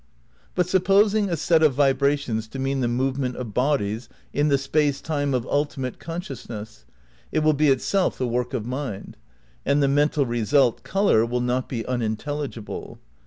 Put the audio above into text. But supposing a set of vibrations to mean the move ment of bodies in the Space Time of ultimate conscious ness, it will be itself the work of mind ; and the mental result, colour, will not be unintelligible.